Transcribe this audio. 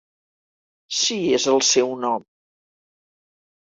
Si és el seu nom.